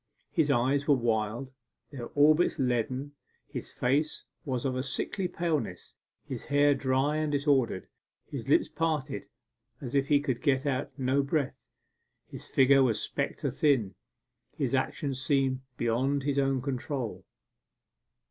His eyes were wild, their orbits leaden. His face was of a sickly paleness, his hair dry and disordered, his lips parted as if he could get no breath. His figure was spectre thin. His actions seemed beyond his own control.